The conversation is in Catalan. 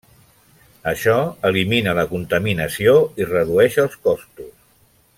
Això elimina la contaminació i redueix els costos.